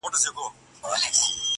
مړاوي مړاوي سور ګلاب وي زما په لاس کي,